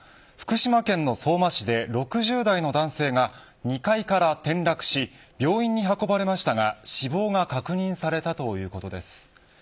福島県の相馬市で６０代の男性が２階から転落し病院に運ばれましたが死亡が確認されたということです。